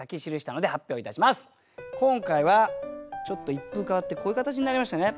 今回はちょっと一風変わってこういう形になりましたね。